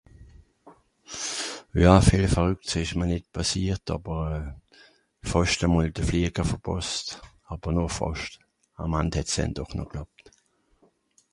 Ja (...) s'ìsch mr fàscht pàssiert, àber fàscht e mol de Fliager verpàsst. Àber nur fàscht. (...)